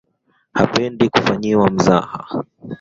Hapendi kufanyiwa mzaha.